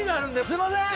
すいません！